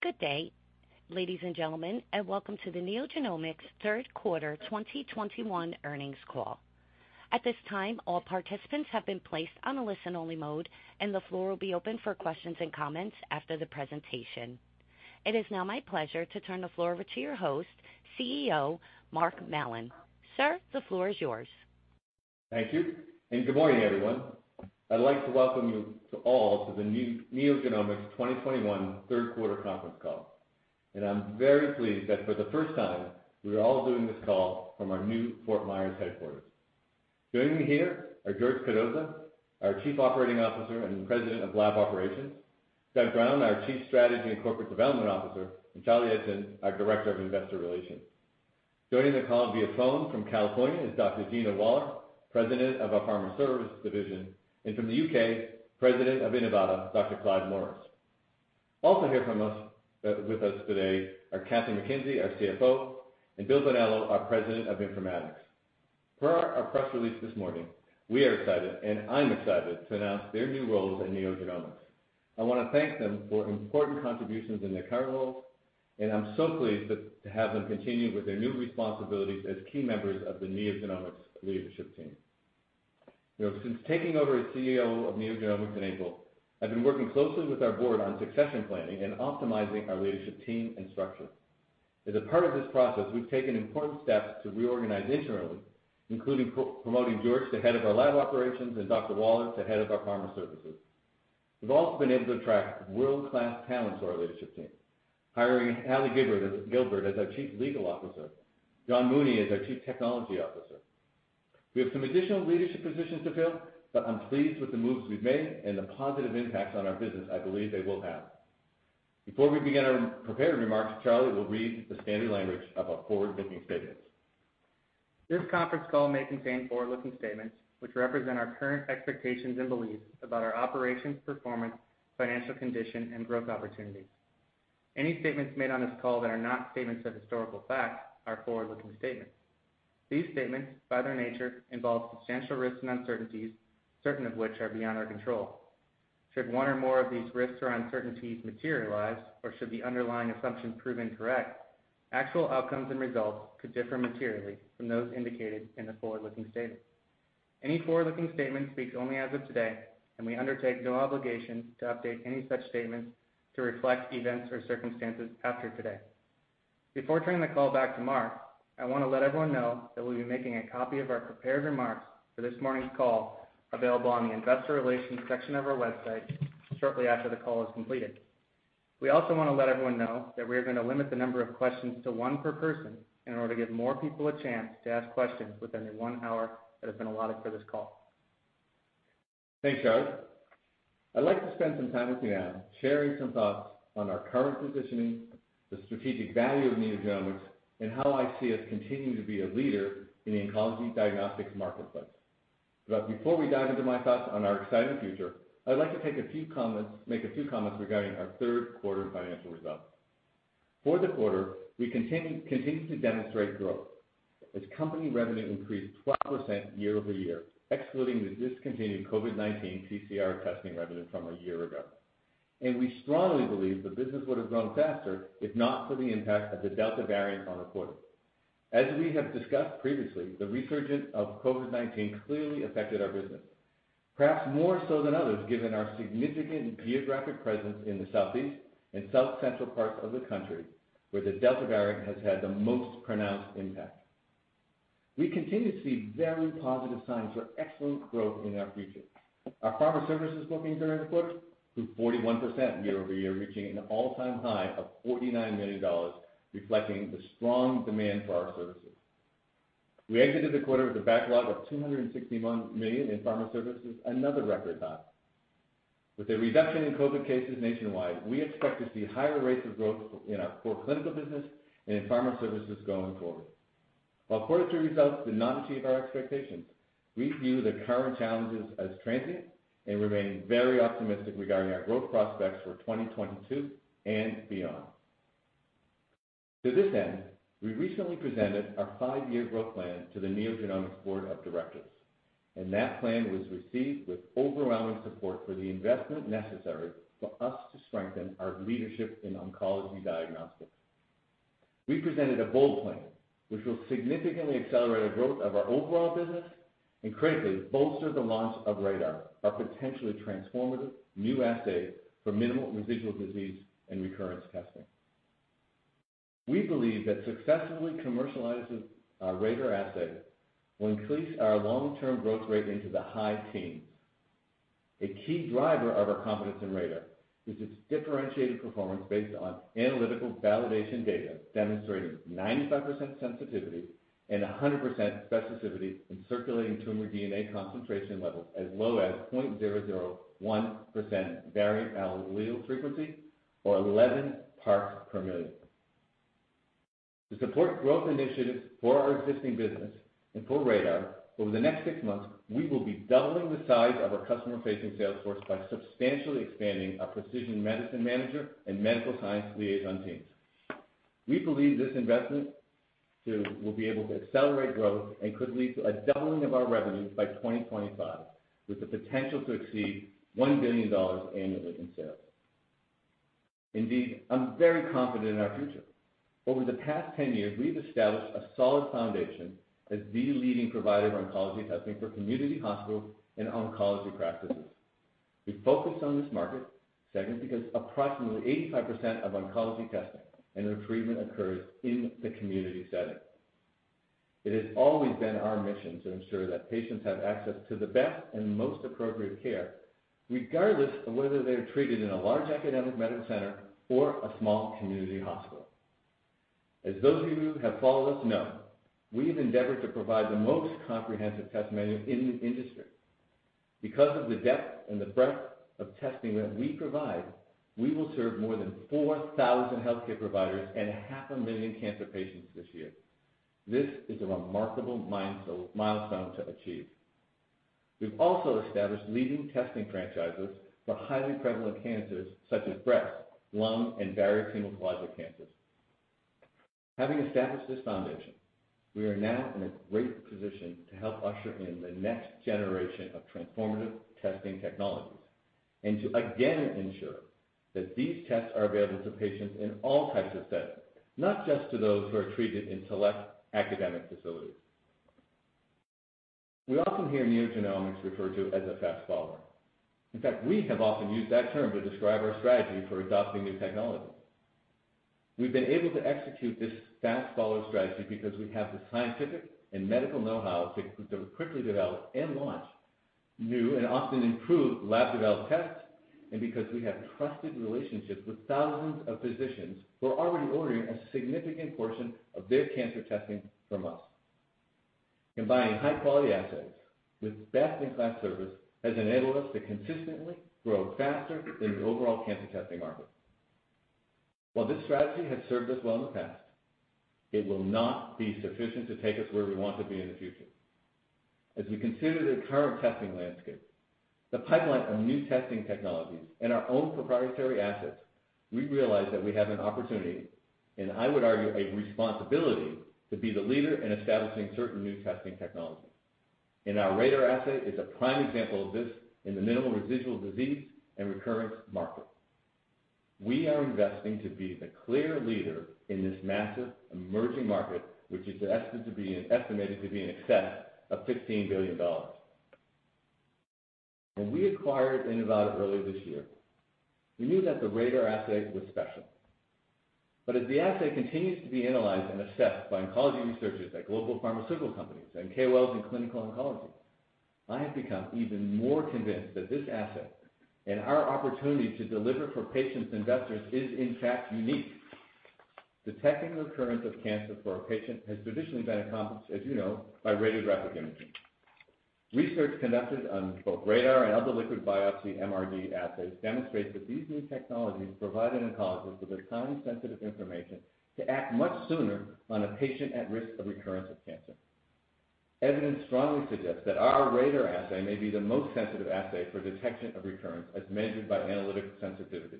Good day, ladies and gentlemen, and welcome to the NeoGenomics third quarter 2021 earnings call. At this time, all participants have been placed on a listen-only mode, and the floor will be open for questions and comments after the presentation. It is now my pleasure to turn the floor over to your host, CEO Mark Mallon. Sir, the floor is yours. Thank you, and good morning, everyone. I'd like to welcome you to all to the new, NeoGenomics 2021 third quarter conference call. I'm very pleased that for the first time, we are all doing this call from our new Fort Myers headquarters. Joining me here are George Cardoza, our Chief Operating Officer and President of Lab Operations, Doug Brown, our Chief Strategy and Corporate Development Officer, and Charlie Eidson, our Director of Investor Relations. Joining the call via phone from California is Dr. Gina Wallar, President of our Pharma Services Division, and from the U.K., President of Inivata, Dr. Clive Morris. Also here from us, with us today are Kathryn McKenzie, our CFO, and Bill Bonello, our President of Informatics. Per our press release this morning, we are excited, and I'm excited to announce their new roles at NeoGenomics. I wanna thank them for important contributions in their current roles, and I'm so pleased to have them continue with their new responsibilities as key members of the NeoGenomics leadership team. You know, since taking over as CEO of NeoGenomics in April, I've been working closely with our board on succession planning and optimizing our leadership team and structure. As a part of this process, we've taken important steps to reorganize internally, including promoting George to head of our Lab Operations and Dr. Wallar to head of our Pharma Services. We've also been able to attract world-class talent to our leadership team, hiring Halley Gilbert as our Chief Legal Officer, John Mooney as our Chief Technology Officer. We have some additional leadership positions to fill, but I'm pleased with the moves we've made and the positive impacts on our business I believe they will have. Before we begin our prepared remarks, Charlie will read the standard language of our forward-looking statements. This conference call may contain forward-looking statements, which represent our current expectations and beliefs about our operations, performance, financial condition, and growth opportunities. Any statements made on this call that are not statements of historical fact are forward-looking statements. These statements, by their nature, involve substantial risks and uncertainties, certain of which are beyond our control. Should one or more of these risks or uncertainties materialize, or should the underlying assumptions prove incorrect, actual outcomes and results could differ materially from those indicated in the forward-looking statements. Any forward-looking statements speak only as of today, and we undertake no obligation to update any such statements to reflect events or circumstances after today. Before turning the call back to Mark, I wanna let everyone know that we'll be making a copy of our prepared remarks for this morning's call available on the investor relations section of our website shortly after the call is completed. We also wanna let everyone know that we are gonna limit the number of questions to one per person in order to give more people a chance to ask questions within the one hour that has been allotted for this call. Thanks, Charlie. I'd like to spend some time with you now sharing some thoughts on our current positioning, the strategic value of NeoGenomics, and how I see us continuing to be a leader in the oncology diagnostics marketplace. Before we dive into my thoughts on our exciting future, I'd like to take a few comments, make a few comments regarding our third quarter financial results. For the quarter, we continued to demonstrate growth as company revenue increased 12% year-over-year, excluding the discontinued COVID-19 PCR testing revenue from a year ago. We strongly believe the business would have grown faster if not for the impact of the Delta variant on the quarter. As we have discussed previously, the resurgence of COVID-19 clearly affected our business, perhaps more so than others, given our significant geographic presence in the southeast and south central parts of the country, where the Delta variant has had the most pronounced impact. We continue to see very positive signs for excellent growth in our future. Our Pharma Services bookings are up 41% year-over-year, reaching an all-time high of $49 million, reflecting the strong demand for our services. We exited the quarter with a backlog of $261 million in Pharma Services, another record high. With a reduction in COVID cases nationwide, we expect to see higher rates of growth in our core clinical business and in Pharma Services going forward. While quarter three results did not achieve our expectations, we view the current challenges as transient and remain very optimistic regarding our growth prospects for 2022 and beyond. To this end, we recently presented our five-year growth plan to the NeoGenomics board of directors, and that plan was received with overwhelming support for the investment necessary for us to strengthen our leadership in oncology diagnostics. We presented a bold plan, which will significantly accelerate the growth of our overall business and critically bolster the launch of RaDaR, our potentially transformative new assay for minimal residual disease and recurrence testing. We believe that successfully commercializing our RaDaR assay will increase our long-term growth rate into the high teens. A key driver of our confidence in RaDaR is its differentiated performance based on analytical validation data demonstrating 95% sensitivity and 100% specificity in circulating tumor DNA concentration levels as low as 0.001% variant allele frequency or 11 parts per million. To support growth initiatives for our existing business and for RaDaR, over the next 6 months, we will be doubling the size of our customer-facing sales force by substantially expanding our Precision Medicine Manager and medical science liaison teams. We believe this investment too, will be able to accelerate growth and could lead to a doubling of our revenue by 2025, with the potential to exceed $1 billion annually in sales. Indeed, I'm very confident in our future. Over the past 10 years, we've established a solid foundation as the leading provider of oncology testing for community hospitals and oncology practices. We've focused on this market segment because approximately 85% of oncology testing and treatment occurs in the community setting. It has always been our mission to ensure that patients have access to the best and most appropriate care, regardless of whether they're treated in a large academic medical center or a small community hospital. As those of you who have followed us know, we've endeavored to provide the most comprehensive test menu in the industry. Because of the depth and the breadth of testing that we provide, we will serve more than 4,000 healthcare providers and 500,000 cancer patients this year. This is a remarkable milestone to achieve. We've also established leading testing franchises for highly prevalent cancers such as breast, lung, and various hematologic cancers. Having established this foundation, we are now in a great position to help usher in the next generation of transformative testing technologies, and to again ensure that these tests are available to patients in all types of settings, not just to those who are treated in select academic facilities. We often hear NeoGenomics referred to as a fast follower. In fact, we have often used that term to describe our strategy for adopting new technologies. We've been able to execute this fast follower strategy because we have the scientific and medical know-how to quickly develop and launch new, and often improved lab developed tests, and because we have trusted relationships with thousands of physicians who are already ordering a significant portion of their cancer testing from us. Combining high quality assays with best-in-class service has enabled us to consistently grow faster than the overall cancer testing market. While this strategy has served us well in the past, it will not be sufficient to take us where we want to be in the future. As we consider the current testing landscape, the pipeline of new testing technologies and our own proprietary assets, we realize that we have an opportunity, and I would argue a responsibility, to be the leader in establishing certain new testing technologies. Our RaDaR assay is a prime example of this in the minimal residual disease and recurrence market. We are investing to be the clear leader in this massive emerging market, which is estimated to be in excess of $15 billion. When we acquired Inivata earlier this year, we knew that the RaDaR assay was special. As the assay continues to be analyzed and assessed by oncology researchers at global pharmaceutical companies and KOLs in clinical oncology, I have become even more convinced that this asset and our opportunity to deliver for patients investors is in fact unique. Detecting recurrence of cancer for a patient has traditionally been accomplished, as you know, by radiographic imaging. Research conducted on both RaDaR and other liquid biopsy MRD assays demonstrates that these new technologies provide an oncologist with a time-sensitive information to act much sooner on a patient at risk of recurrence of cancer. Evidence strongly suggests that our RaDaR assay may be the most sensitive assay for detection of recurrence, as measured by analytic sensitivity.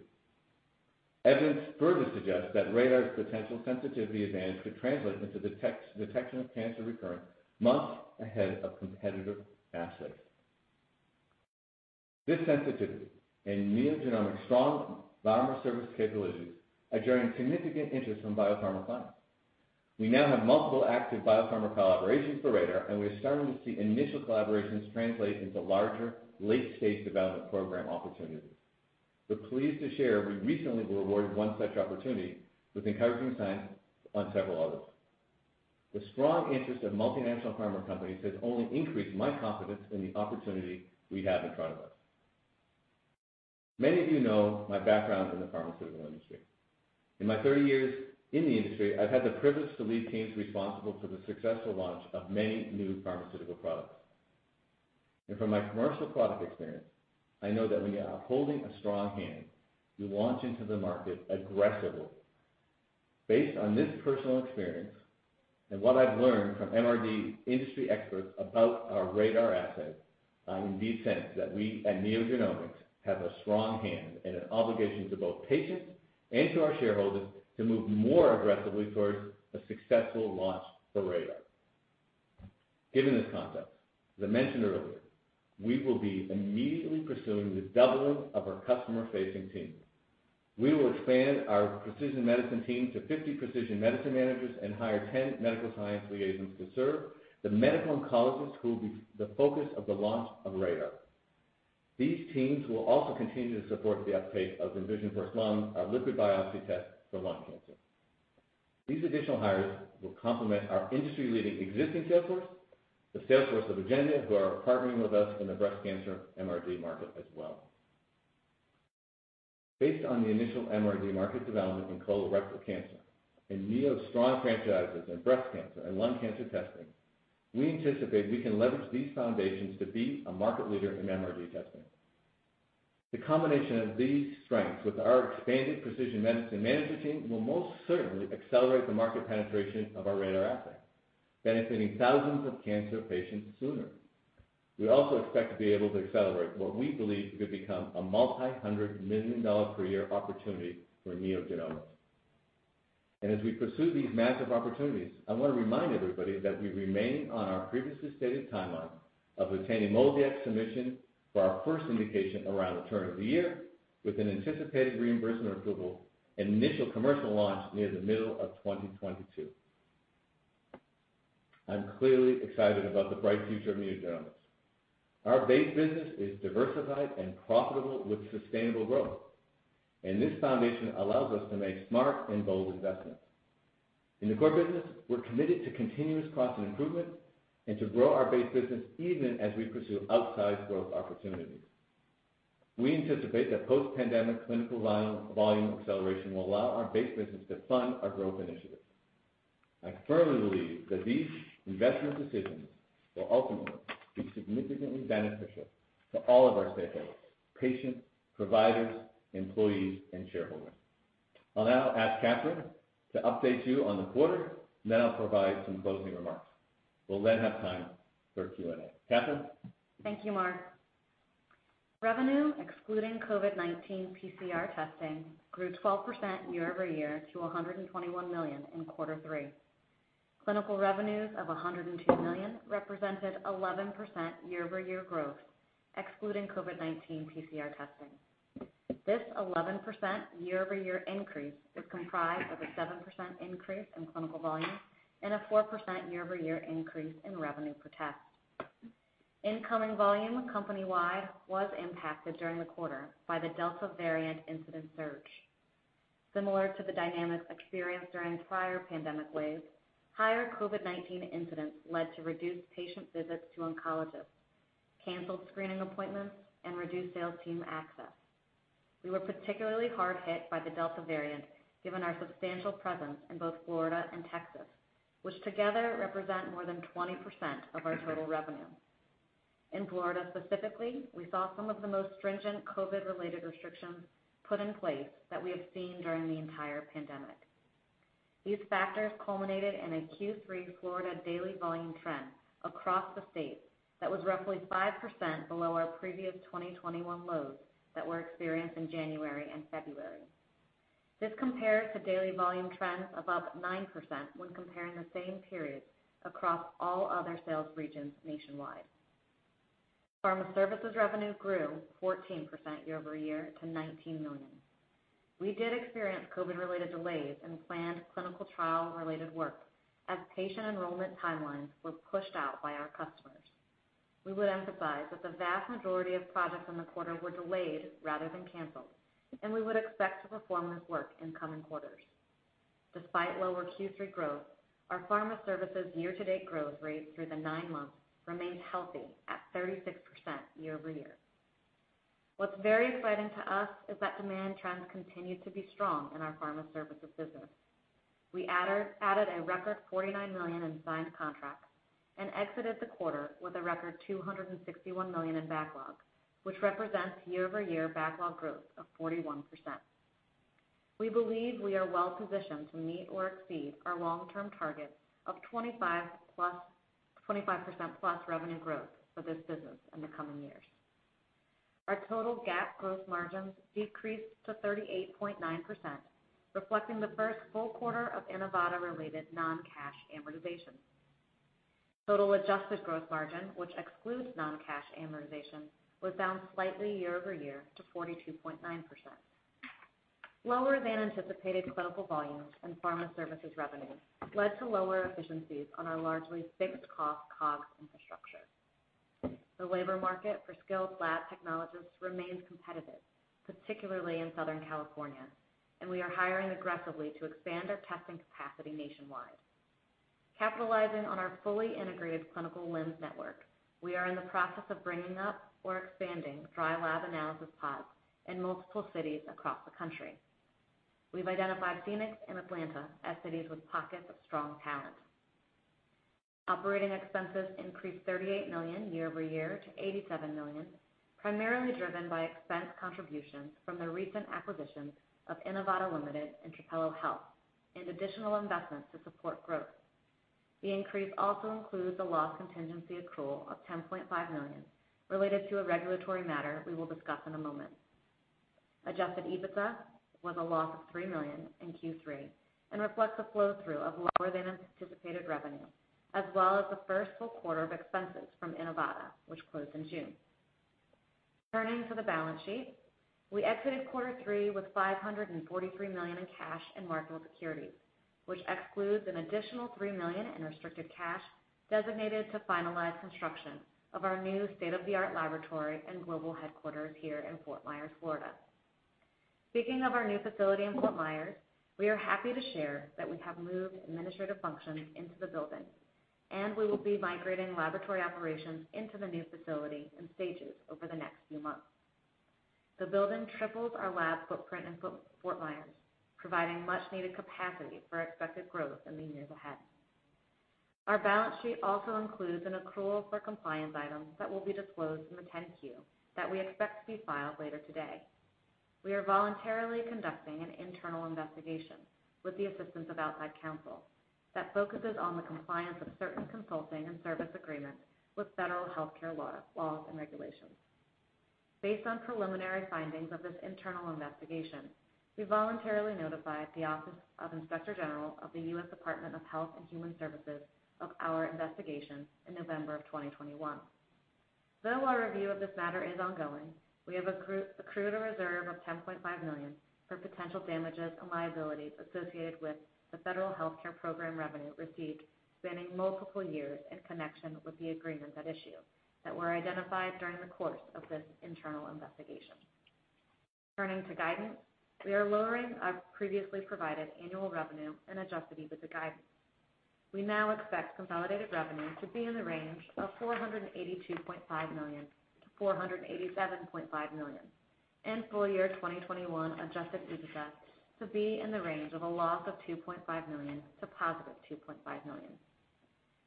Evidence further suggests that RaDaR's potential sensitivity advantage could translate into detection of cancer recurrence months ahead of competitive assays. This sensitivity and NeoGenomics' strong lab service capabilities are generating significant interest from biopharma clients. We now have multiple active biopharma collaborations for RaDaR, and we are starting to see initial collaborations translate into larger late-stage development program opportunities. We're pleased to share we recently were awarded one such opportunity with encouraging signs on several others. The strong interest of multinational pharma companies has only increased my confidence in the opportunity we have in front of us. Many of you know my background in the pharmaceutical industry. In my 30 years in the industry, I've had the privilege to lead teams responsible for the successful launch of many new pharmaceutical products. From my commercial product experience, I know that when you are holding a strong hand, you launch into the market aggressively. Based on this personal experience and what I've learned from MRD industry experts about our RaDaR assay, I indeed sense that we at NeoGenomics have a strong hand and an obligation to both patients and to our shareholders to move more aggressively towards a successful launch for RaDaR. Given this context, as I mentioned earlier, we will be immediately pursuing the doubling of our customer-facing team. We will expand our precision medicine team to 50 precision medicine managers and hire 10 medical science liaisons to serve the medical oncologists who will be the focus of the launch of RaDaR. These teams will also continue to support the uptake of InVisionFirst-Lung, our liquid biopsy test for lung cancer. These additional hires will complement our industry-leading existing sales force, the sales force of Agendia, who are partnering with us in the breast cancer MRD market as well. Based on the initial MRD market development in colorectal cancer and Neo's strong franchises in breast cancer and lung cancer testing, we anticipate we can leverage these foundations to be a market leader in MRD testing. The combination of these strengths with our expanded precision medicine management team will most certainly accelerate the market penetration of our RaDaR assay, benefiting thousands of cancer patients sooner. We also expect to be able to accelerate what we believe could become a multi-hundred $ million per year opportunity for NeoGenomics. As we pursue these massive opportunities, I want to remind everybody that we remain on our previously stated timeline of obtaining MolDX submission for our first indication around the turn of the year, with an anticipated reimbursement approval and initial commercial launch near the middle of 2022. I'm clearly excited about the bright future of NeoGenomics. Our base business is diversified and profitable with sustainable growth, and this foundation allows us to make smart and bold investments. In the core business, we're committed to continuous cost improvement and to grow our base business even as we pursue outsized growth opportunities. We anticipate that post-pandemic clinical lab volume acceleration will allow our base business to fund our growth initiatives. I firmly believe that these investment decisions will ultimately be significantly beneficial to all of our stakeholders, patients, providers, employees, and shareholders. I'll now ask Kathryn to update you on the quarter, and then I'll provide some closing remarks. We'll then have time for Q&A. Kathryn? Thank you, Mark. Revenue, excluding COVID-19 PCR testing, grew 12% year-over-year to $121 million in quarter three. Clinical revenues of $102 million represented 11% year-over-year growth, excluding COVID-19 PCR testing. This 11% year-over-year increase is comprised of a 7% increase in clinical volume and a 4% year-over-year increase in revenue per test. Incoming volume company-wide was impacted during the quarter by the Delta variant incident surge. Similar to the dynamics experienced during prior pandemic waves, higher COVID-19 incidents led to reduced patient visits to oncologists, canceled screening appointments, and reduced sales team access. We were particularly hard hit by the Delta variant given our substantial presence in both Florida and Texas, which together represent more than 20% of our total revenue. In Florida specifically, we saw some of the most stringent COVID-related restrictions put in place that we have seen during the entire pandemic. These factors culminated in a Q3 Florida daily volume trend across the state that was roughly 5% below our previous 2021 lows that were experienced in January and February. This compares to daily volume trends of up 9% when comparing the same period across all other sales regions nationwide. Pharma Services revenue grew 14% year-over-year to $19 million. We did experience COVID-related delays in planned clinical trial-related work as patient enrollment timelines were pushed out by our customers. We would emphasize that the vast majority of projects in the quarter were delayed rather than canceled, and we would expect to perform this work in coming quarters. Despite lower Q3 growth, our Pharma Services year-to-date growth rate through the nine months remained healthy at 36% year-over-year. What's very exciting to us is that demand trends continue to be strong in our Pharma Services business. We added a record $49 million in signed contracts and exited the quarter with a record $261 million in backlog, which represents year-over-year backlog growth of 41%. We believe we are well positioned to meet or exceed our long-term target of 25%+ revenue growth for this business in the coming years. Our total GAAP gross margins decreased to 38.9%, reflecting the first full quarter of Inivata-related non-cash amortization. Total adjusted gross margin, which excludes non-cash amortization, was down slightly year-over-year to 42.9%. Lower than anticipated clinical volumes and Pharma Services revenue led to lower efficiencies on our largely fixed cost COGS infrastructure. The labor market for skilled lab technologists remains competitive, particularly in Southern California, and we are hiring aggressively to expand our testing capacity nationwide. Capitalizing on our fully integrated clinical LIMS network, we are in the process of bringing up or expanding dry lab analysis pods in multiple cities across the country. We've identified Phoenix and Atlanta as cities with pockets of strong talent. Operating expenses increased $38 million year over year to $87 million, primarily driven by expense contributions from the recent acquisitions of Inivata Limited and Trapelo Health and additional investments to support growth. The increase also includes a loss contingency accrual of $10.5 million related to a regulatory matter we will discuss in a moment. Adjusted EBITDA was a loss of $3 million in Q3 and reflects the flow-through of lower than anticipated revenue, as well as the first full quarter of expenses from Inivata, which closed in June. Turning to the balance sheet, we exited quarter three with $543 million in cash and marketable securities, which excludes an additional $3 million in restricted cash designated to finalize construction of our new state-of-the-art laboratory and global headquarters here in Fort Myers, Florida. Speaking of our new facility in Fort Myers, we are happy to share that we have moved administrative functions into the building, and we will be migrating laboratory operations into the new facility in stages over the next few months. The building triples our lab footprint in Fort Myers, providing much-needed capacity for expected growth in the years ahead. Our balance sheet also includes an accrual for compliance items that will be disclosed in the 10-Q that we expect to be filed later today. We are voluntarily conducting an internal investigation with the assistance of outside counsel that focuses on the compliance of certain consulting and service agreements with federal healthcare laws and regulations. Based on preliminary findings of this internal investigation, we voluntarily notified the Office of Inspector General of the US Department of Health and Human Services of our investigation in November 2021. Though our review of this matter is ongoing, we have accrued a reserve of $10.5 million for potential damages and liabilities associated with the federal healthcare program revenue received spanning multiple years in connection with the agreement at issue that were identified during the course of this internal investigation. Turning to guidance, we are lowering our previously provided annual revenue and adjusted EBITDA guidance. We now expect consolidated revenue to be in the range of $482.5 million-$487.5 million, and full year 2021 adjusted EBITDA to be in the range of a loss of $2.5 million to positive $2.5 million.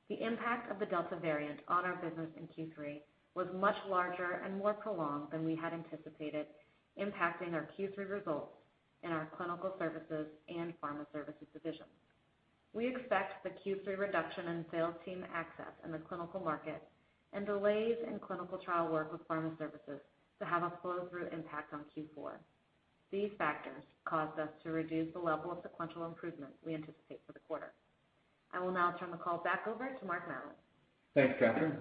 The impact of the Delta variant on our business in Q3 was much larger and more prolonged than we had anticipated, impacting our Q3 results in our Clinical Services and Pharma Services divisions. We expect the Q3 reduction in sales team access in the clinical market and delays in clinical trial work with Pharma Services to have a flow-through impact on Q4. These factors cause us to reduce the level of sequential improvement we anticipate for the quarter. I will now turn the call back over to Mark Mallon. Thanks, Kathryn.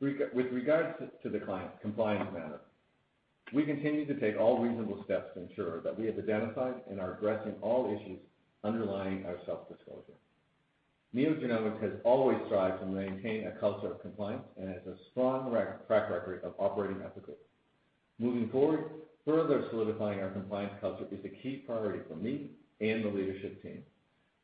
With regards to the client compliance matter, we continue to take all reasonable steps to ensure that we have identified and are addressing all issues underlying our self-disclosure. NeoGenomics has always strived to maintain a culture of compliance and has a strong track record of operating ethically. Moving forward, further solidifying our compliance culture is a key priority for me and the leadership team.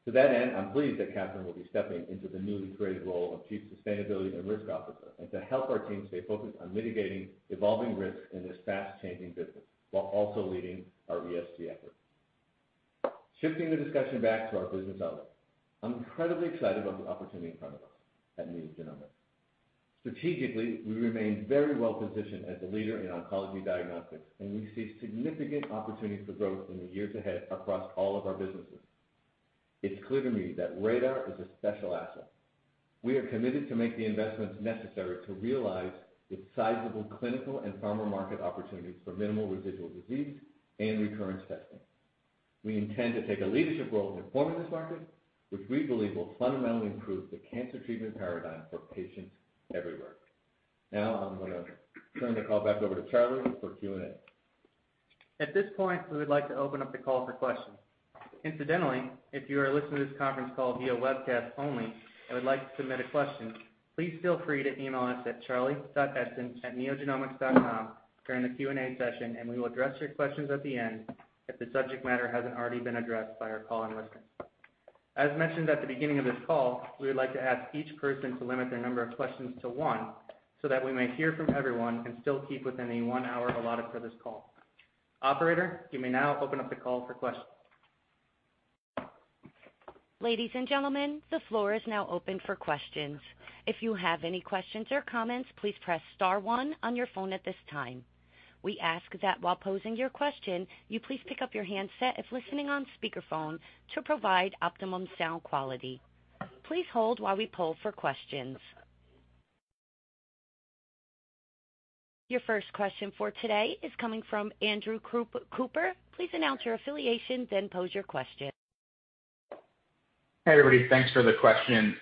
To that end, I'm pleased that Kathryn will be stepping into the newly created role of Chief Sustainability and Risk Officer, and to help our team stay focused on mitigating evolving risks in this fast-changing business while also leading our ESG efforts. Shifting the discussion back to our business outlook, I'm incredibly excited about the opportunity in front of us at NeoGenomics. Strategically, we remain very well positioned as a leader in oncology diagnostics, and we see significant opportunities for growth in the years ahead across all of our businesses. It's clear to me that RaDaR is a special asset. We are committed to make the investments necessary to realize its sizable clinical and pharma market opportunities for minimal residual disease and recurrence testing. We intend to take a leadership role in forming this market, which we believe will fundamentally improve the cancer treatment paradigm for patients everywhere. Now I'm gonna turn the call back over to Charlie for Q&A. At this point, we would like to open up the call for questions. Incidentally, if you are listening to this conference call via webcast only and would like to submit a question, please feel free to email us at charlie.eidson@neogenomics.com during the Q&A session, and we will address your questions at the end if the subject matter hasn't already been addressed by our call-in listeners. As mentioned at the beginning of this call, we would like to ask each person to limit their number of questions to one so that we may hear from everyone and still keep within the one hour allotted for this call. Operator, you may now open up the call for questions. Ladies and gentlemen, the floor is now open for questions. If you have any questions or comments, please press star one on your phone at this time. We ask that while posing your question, you please pick up your handset if listening on speakerphone to provide optimum sound quality. Please hold while we poll for questions. Your first question for today is coming from Andrew Cooper. Please announce your affiliation then pose your question. Hey, everybody. Thanks for the question.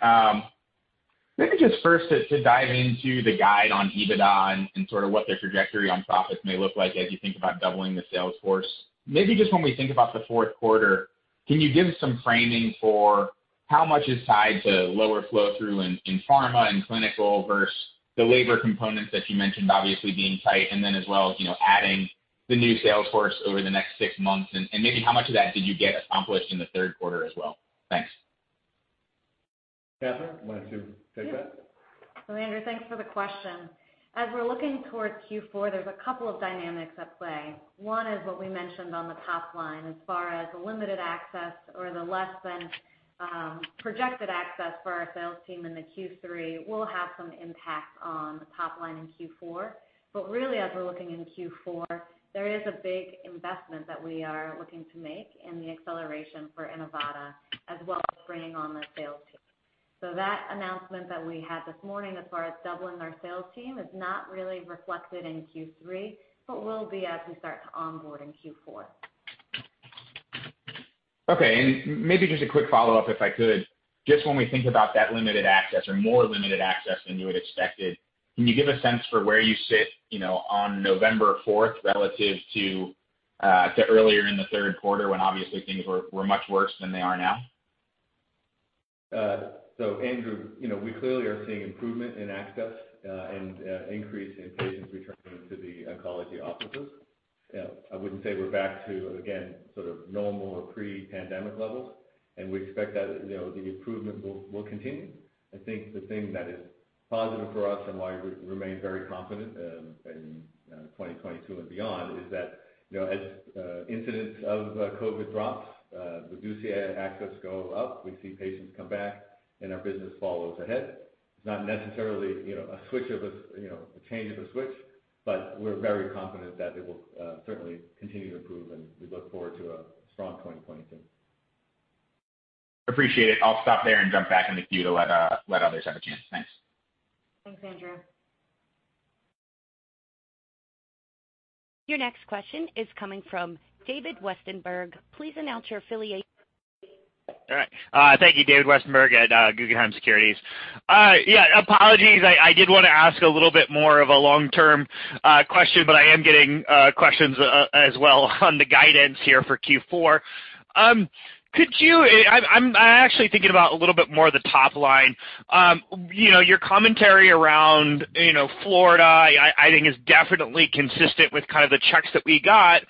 Maybe just first to dive into the guide on EBITDA and sort of what the trajectory on profits may look like as you think about doubling the sales force. Maybe just when we think about the fourth quarter, can you give some framing for how much is tied to lower flow through in pharma and clinical versus the labor components that you mentioned obviously being tight and then as well as, you know, adding the new sales force over the next six months? Maybe how much of that did you get accomplished in the third quarter as well? Thanks. Kathryn, you want to take that? Sure. Andrew, thanks for the question. As we're looking towards Q4, there's a couple of dynamics at play. One is what we mentioned on the top line as far as the limited access or the less than projected access for our sales team in the Q3 will have some impact on the top line in Q4. Really, as we're looking in Q4, there is a big investment that we are looking to make in the acceleration for Inivata as well as bringing on the sales team. That announcement that we had this morning as far as doubling our sales team is not really reflected in Q3, but will be as we start to onboard in Q4. Okay, maybe just a quick follow-up, if I could. Just when we think about that limited access or more limited access than you had expected, can you give a sense for where you sit, you know, on November fourth relative to to earlier in the third quarter when obviously things were much worse than they are now? Andrew, you know, we clearly are seeing improvement in access and increase in patients returning to the oncology offices. I wouldn't say we're back to, again, sort of normal or pre-pandemic levels, and we expect that, you know, the improvement will continue. I think the thing that is positive for us and why we remain very confident in 2022 and beyond is that, you know, as incidence of COVID-19 drops, med access go up, we see patients come back and our business follows suit. It's not necessarily, you know, a flip of the switch, but we're very confident that it will certainly continue to improve and we look forward to a strong 2022. Appreciate it. I'll stop there and jump back in the queue to let others have a chance. Thanks. Thanks, Andrew. Your next question is coming from David Westenberg. Please announce your affiliation. All right. Thank you. David Westenberg at Guggenheim Securities. Yeah, apologies. I did want to ask a little bit more of a long-term question, but I am getting questions as well on the guidance here for Q4. I'm actually thinking about a little bit more of the top line. You know, your commentary around, you know, Florida, I think is definitely consistent with kind of the checks that we got,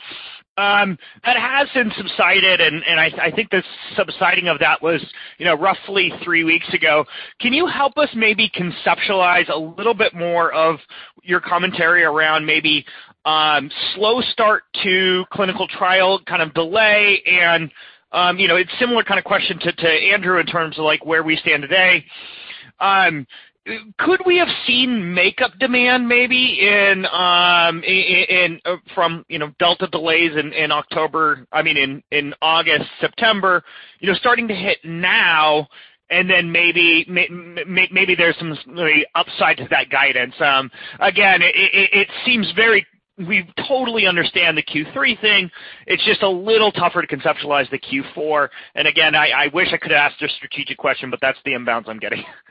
that has since subsided, and I think the subsiding of that was, you know, roughly three weeks ago. Can you help us maybe conceptualize a little bit more of your commentary around maybe slow start to clinical trial kind of delay and, you know, it's similar kind of question to Andrew in terms of, like, where we stand today. Could we have seen makeup demand maybe in from you know Delta delays in October, I mean, in August, September, you know, starting to hit now and then maybe there's some sort of upside to that guidance? Again, we totally understand the Q3 thing. It's just a little tougher to conceptualize the Q4. Again, I wish I could ask a strategic question, but that's the inbounds I'm getting. Yeah.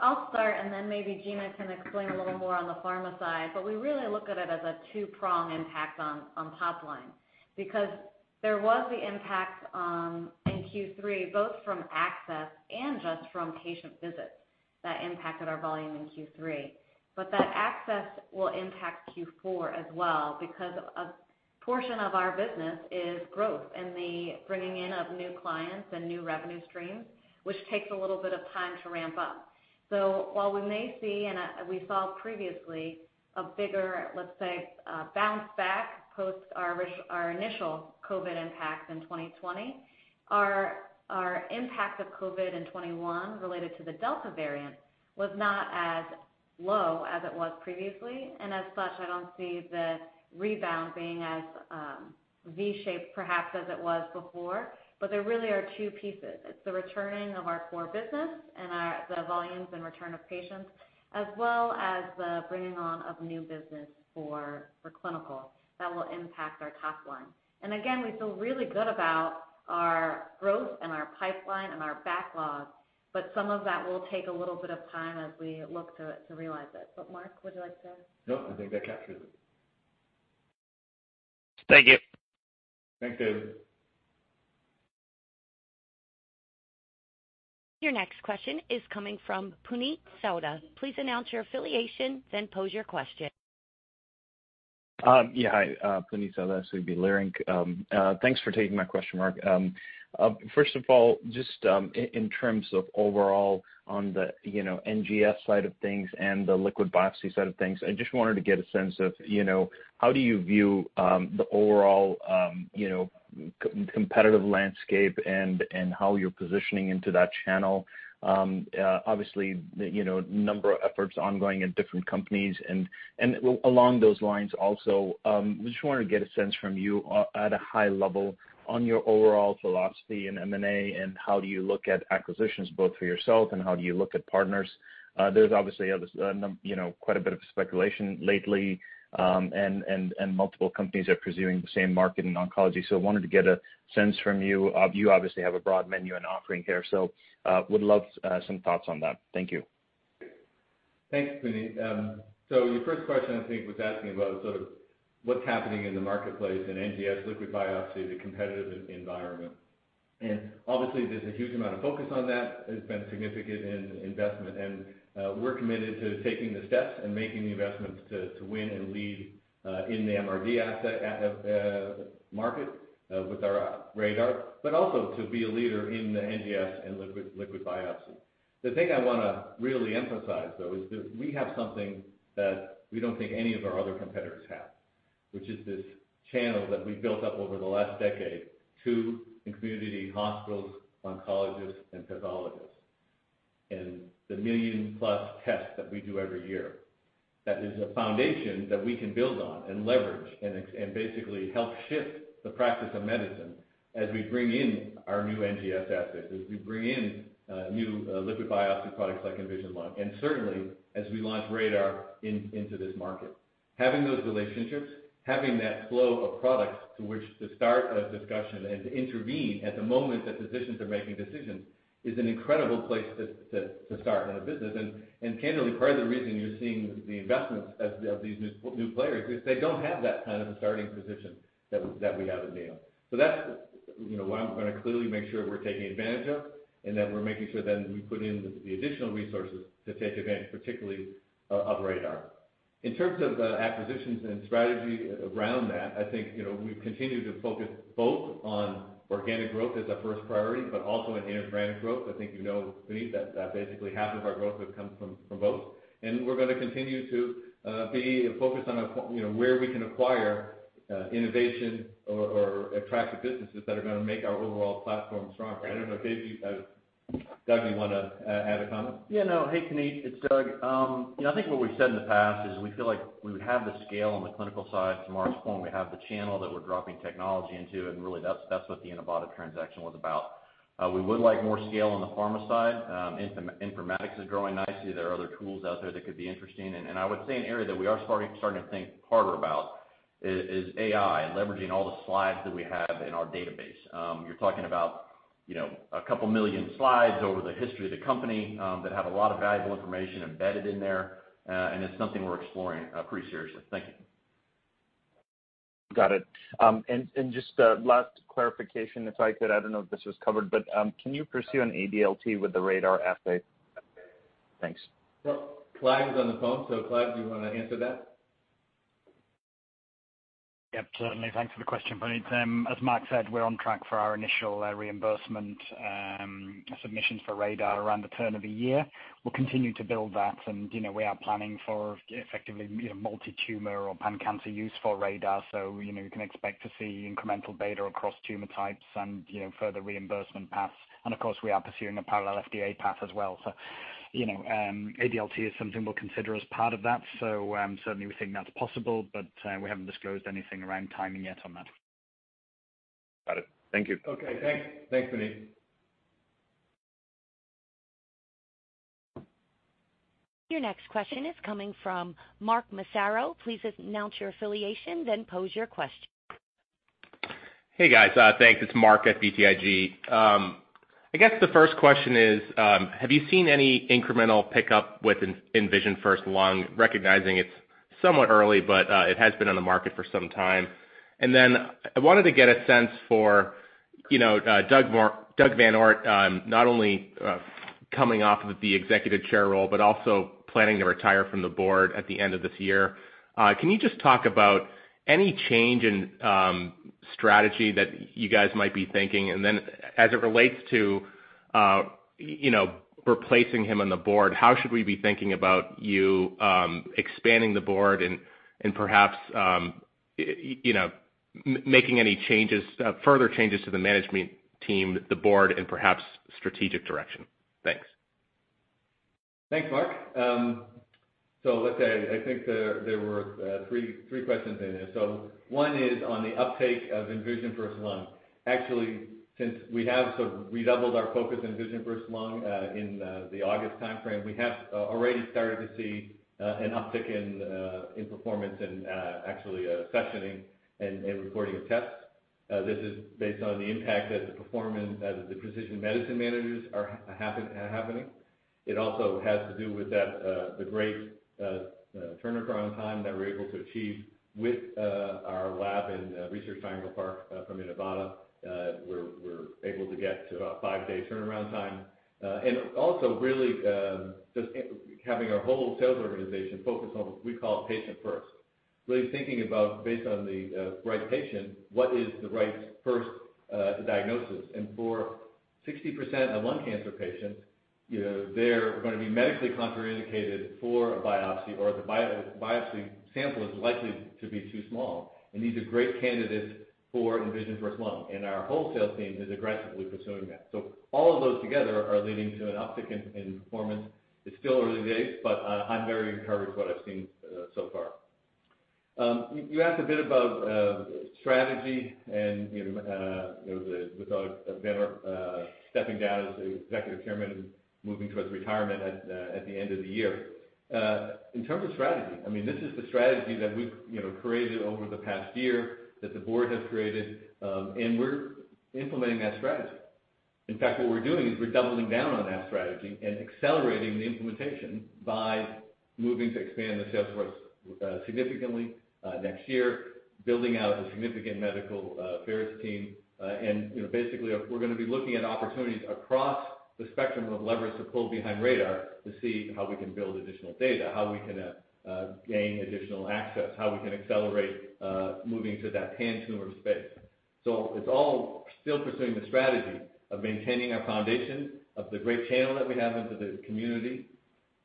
I'll start, and then maybe Gina can explain a little more on the pharma side. We really look at it as a two-prong impact on top line. Because there was the impact in Q3, both from access and just from patient visits that impacted our volume in Q3. That access will impact Q4 as well because a portion of our business is growth and the bringing in of new clients and new revenue streams, which takes a little bit of time to ramp up. While we may see, and we saw previously, a bigger, let's say, bounce back post our initial COVID impact in 2020, our impact of COVID in 2021 related to the Delta variant was not as low as it was previously, and as such, I don't see the rebound being as V shape perhaps as it was before. There really are two pieces. It's the returning of our core business and the volumes and return of patients, as well as the bringing on of new business for clinical that will impact our top line. We feel really good about our growth and our pipeline and our backlogs, but some of that will take a little bit of time as we look to realize it. Mark, would you like to? No, I think that captures it. Thank you. Thanks, David. Your next question is coming from Puneet Souda. Please announce your affiliation, then pose your question. Yeah. Hi, Puneet Souda, SVB Leerink. Thanks for taking my question, Mark. First of all, just, in terms of overall on the, you know, NGS side of things and the liquid biopsy side of things, I just wanted to get a sense of, you know, how do you view, the overall, you know, competitive landscape and how you're positioning into that channel. Obviously, the, you know, number of efforts ongoing at different companies. Along those lines also, just wanna get a sense from you at a high level on your overall philosophy in M&A and how do you look at acquisitions both for yourself and how do you look at partners. There's obviously others, you know, quite a bit of speculation lately, and multiple companies are pursuing the same market in oncology. Wanted to get a sense from you. You obviously have a broad menu and offering here, so would love some thoughts on that. Thank you. Thanks, Puneet. Your first question, I think, was asking about sort of what's happening in the marketplace in NGS liquid biopsy, the competitive environment. Obviously, there's a huge amount of focus on that. There's been significant investment. We're committed to taking the steps and making the investments to win and lead in the MRD asset market with our RaDaR, but also to be a leader in the NGS and liquid biopsy. The thing I wanna really emphasize, though, is that we have something that we don't think any of our other competitors have, which is this channel that we've built up over the last decade to community hospitals, oncologists, and pathologists. The million-plus tests that we do every year, that is a foundation that we can build on and leverage and basically help shift the practice of medicine as we bring in our new NGS assets, as we bring in new liquid biopsy products like InVisionFirst-Lung. Certainly, as we launch RaDaR into this market. Having those relationships, having that flow of products to which to start a discussion and to intervene at the moment that physicians are making decisions is an incredible place to start in a business. Candidly, part of the reason you're seeing the investments as of these new players is they don't have that kind of a starting position that we have at Neo. That's, you know, one we're gonna clearly make sure we're taking advantage of, and that we're making sure then we put in the additional resources to take advantage, particularly of RaDaR. In terms of acquisitions and strategy around that, I think, you know, we've continued to focus both on organic growth as our first priority, but also inorganic growth. I think you know, Puneet, that basically half of our growth has come from both. We're gonna continue to be focused on, you know, where we can acquire innovation or attractive businesses that are gonna make our overall platform stronger. I don't know if Dave, Doug, you wanna add a comment? Yeah, no. Hey, Puneet, it's Doug. You know, I think what we've said in the past is we feel like we have the scale on the clinical side. To Mark's point, we have the channel that we're dropping technology into, and really, that's what the Inivata transaction was about. We would like more scale on the pharma side. Informatics is growing nicely. There are other tools out there that could be interesting. I would say an area that we are starting to think harder about is AI and leveraging all the slides that we have in our database. You're talking about, you know, a couple million slides over the history of the company, that have a lot of valuable information embedded in there, and it's something we're exploring pretty seriously. Thank you. Got it. Just a last clarification if I could. I don't know if this was covered, but can you pursue an ADLT with the RaDaR assay? Thanks. Well, Clive is on the phone. Clive, do you wanna answer that? Yep, certainly. Thanks for the question, Puneet. As Mark said, we're on track for our initial reimbursement submissions for RaDaR around the turn of the year. We'll continue to build that, and you know, we are planning for effectively, you know, multi-tumor or pan-cancer use for RaDaR. You can expect to see incremental data across tumor types and, you know, further reimbursement paths. Of course, we are pursuing a parallel FDA path as well. You know, ADLT is something we'll consider as part of that. Certainly we think that's possible, but we haven't disclosed anything around timing yet on that. Got it. Thank you. Okay, thanks. Thanks, Puneet. Your next question is coming from Mark Massaro. Please announce your affiliation, then pose your question. Hey, guys. Thanks. It's Mark at BTIG. I guess the first question is, have you seen any incremental pickup with InVisionFirst-Lung, recognizing it's somewhat early, but it has been on the market for some time? I wanted to get a sense for, you know, Doug VanOort, not only coming off of the Executive Chairman role, but also planning to retire from the board at the end of this year. Can you just talk about any change in strategy that you guys might be thinking? As it relates to, you know, replacing him on the board, how should we be thinking about you expanding the board and perhaps making any changes, further changes to the management team, the board and perhaps strategic direction? Thanks. Thanks, Mark. Let's say I think there were three questions in there. One is on the uptake of InVisionFirst-Lung. Actually, since we have sort of redoubled our focus InVisionFirst-Lung in the August timeframe, we have already started to see an uptick in performance and actually accessioning and reporting of tests. This is based on the impact that the Precision Medicine Managers are having. It also has to do with the great turnaround time that we're able to achieve with our lab in Research Triangle Park from Inivata. We're able to get to about five-day turnaround time. Also really, just having our whole sales organization focus on what we call patient first, really thinking about based on the right patient, what is the right first diagnosis. For 60% of lung cancer patients, you know, they're gonna be medically contraindicated for a biopsy or the biopsy sample is likely to be too small, and these are great candidates for InVisionFirst-Lung, and our sales team is aggressively pursuing that. All of those together are leading to an uptick in performance. It's still early days, but I'm very encouraged what I've seen so far. You asked a bit about strategy and, you know, there was with Doug VanOort stepping down as Executive Chairman and moving towards retirement at the end of the year. In terms of strategy, I mean, this is the strategy that we've, you know, created over the past year, that the board has created, and we're implementing that strategy. In fact, what we're doing is we're doubling down on that strategy and accelerating the implementation by moving to expand the sales force significantly next year, building out a significant medical affairs team, and you know, basically, we're gonna be looking at opportunities across the spectrum of levers to pull behind RaDaR to see how we can build additional data, how we can gain additional access, how we can accelerate moving to that pan-cancer space. It's all still pursuing the strategy of maintaining our foundation of the great channel that we have into the community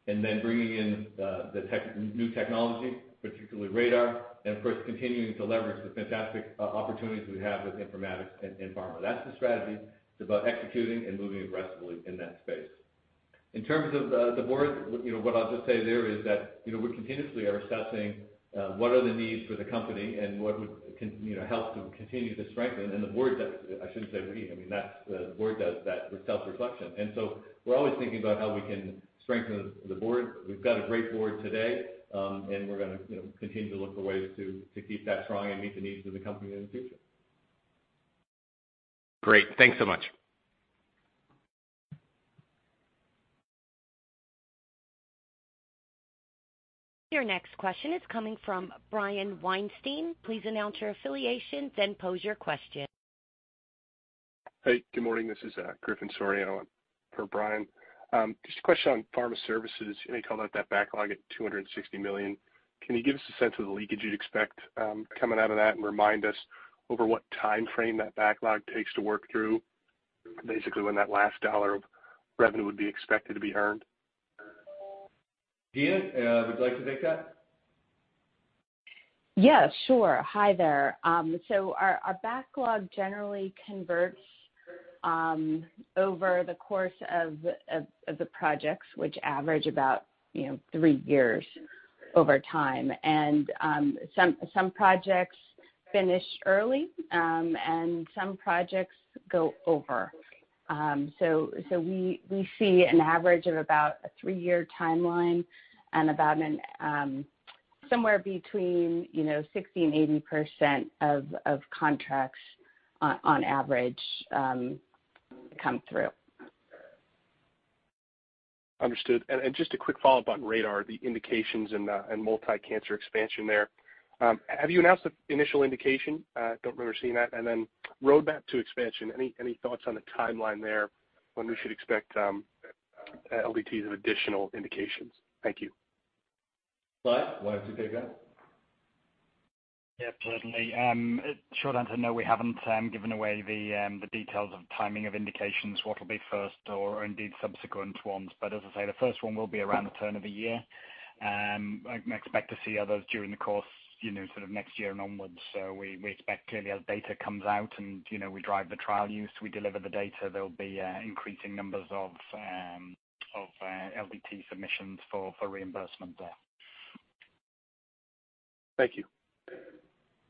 and then bringing in the new technology, particularly RaDaR, and of course, continuing to leverage the fantastic opportunities we have with Informatics and Pharma. That's the strategy. It's about executing and moving aggressively in that space. In terms of the board, you know, what I'll just say there is that, you know, we continuously are assessing what are the needs for the company and what would you know, help to continue to strengthen. The board does that with self-reflection. I shouldn't say we. I mean, the board does that with self-reflection. We're always thinking about how we can strengthen the board. We've got a great board today, and we're gonna, you know, continue to look for ways to keep that strong and meet the needs of the company in the future. Great. Thanks so much. Your next question is coming from Brian Weinstein. Please announce your affiliation, then pose your question. Hey, good morning. This is Griffin Soriano for Brian. Just a question on Pharma Services. You called out that backlog at $260 million. Can you give us a sense of the leakage you'd expect coming out of that and remind us over what timeframe that backlog takes to work through, basically when that last dollar of revenue would be expected to be earned? Gina, would you like to take that? Yeah, sure. Hi there. Our backlog generally converts over the course of the projects which average about, you know, three years over time. Some projects finish early and some projects go over. We see an average of about a three-year timeline and about an somewhere between, you know, 60%-80% of contracts on average come through. Understood. Just a quick follow-up on RaDaR, the indications and multi-cancer expansion there. Have you announced the initial indication? Don't remember seeing that. Roadmap to expansion, any thoughts on the timeline there, when we should expect LDTs of additional indications? Thank you. Clive, why don't you take that? Yeah, certainly. Short answer, no, we haven't given away the details of timing of indications, what will be first or indeed subsequent ones. As I say, the first one will be around the turn of the year. I expect to see others during the course, you know, sort of next year and onwards. We expect clearly as data comes out and, you know, we drive the trial use, we deliver the data, there'll be increasing numbers of LDT submissions for reimbursement there. Thank you.